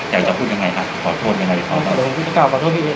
อยากจะพูดยังไงครับขอโทษยังไงครับผมกลัวขอโทษพี่เอ๊ะเนี้ย